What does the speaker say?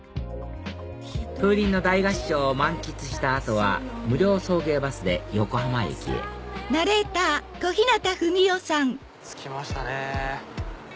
風鈴の大合唱を満喫した後は無料送迎バスで横浜駅へ着きましたね。